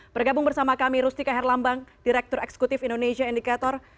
bergabung bersama kami rustika herlambang direktur eksekutif indonesia indikator